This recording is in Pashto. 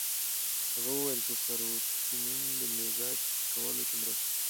هغه وویل چې سیروتونین د مزاج په ښه کولو کې مرسته کوي.